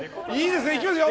いきますよ。